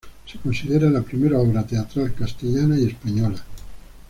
Se considera la primera obra teatral castellana y española.